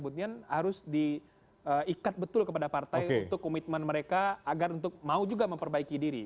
sebetulnya harus diikat betul kepada partai untuk komitmen mereka agar untuk mau juga memperbaiki diri